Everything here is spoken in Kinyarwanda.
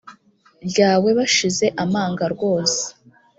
ryawe bashize amanga rwose